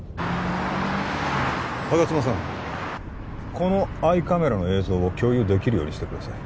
このアイカメラの映像を共有できるようにしてください